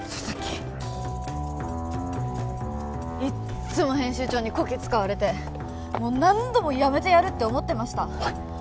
鈴木いっつも編集長にこき使われてもう何度も「辞めてやる」って思ってました